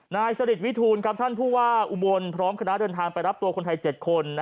นายสริตวิทูลท่านผู้ว่าอุบลพร้อมคณะเดินทางไปรับตัวคนไทย๗คน